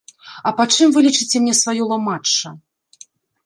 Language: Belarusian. А па чым вы лічыце мне сваё ламачча?